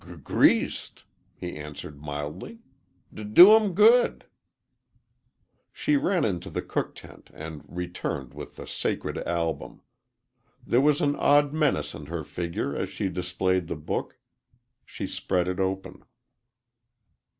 "G greased," he answered, mildly. "D do 'em good." She ran into the cook tent and returned with the sacred album. There was an odd menace in her figure as she displayed the book. She spread it open.